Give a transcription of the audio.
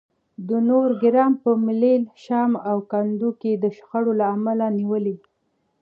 د نورګرام په ملیل، شام او کندو کې د شخړې له امله نیولي